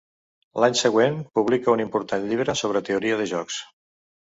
L’any següent publica un important llibre sobre Teoria de jocs.